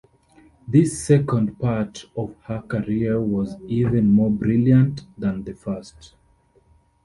This second part of her career was even more brilliant than the first.